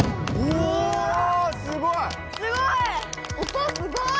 音すごい！